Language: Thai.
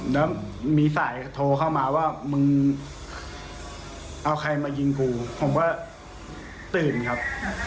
แล้วมีสายโทรเข้ามาว่ามึงเอาใครมายิงกูผมก็ตื่นครับ